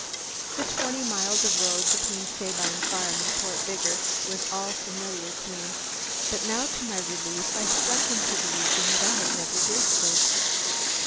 The twenty miles of road between Sabine Farm and Port Vigor was all familiar to me, but now to my relief I struck into a region that I had never visited.